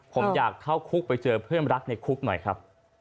ผมอยากเข้าคุกไปเจอเพื่อนรักในคุกหน่อยครับ